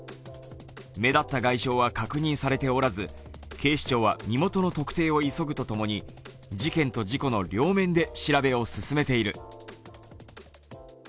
目立った外傷は確認されておらず警視庁は身元の特定を急ぐとともに事件と事故の両面で調べを進めている。